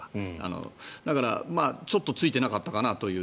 だから、ちょっとついていなかったかなという。